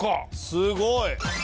すごい！